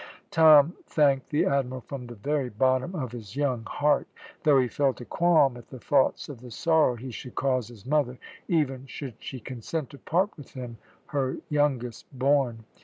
Tom thanked the Admiral from the very bottom of his young heart, though he felt a qualm at the thoughts of the sorrow he should cause his mother, even should she consent to part with him her youngest born.